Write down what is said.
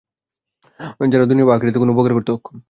যারা দুনিয়ায় বা আখিরাতে কোন উপকার করতে অক্ষম।